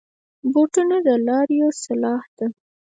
بوټونه د لارویو سلاح ده.